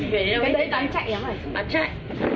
về đâu đến đấy tăng chạy không ạ